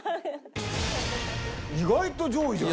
意外と上位じゃん。